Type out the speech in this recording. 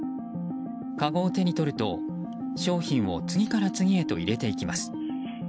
かごを手に取ると、商品を次から次へと入れていきます。